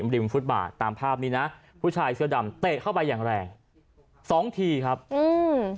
ฟุตบาทตามภาพนี้นะผู้ชายเสื้อดำเตะเข้าไปอย่างแรงสองทีครับอืม